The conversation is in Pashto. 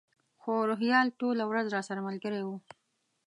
خو روهیال ټوله ورځ راسره ملګری و.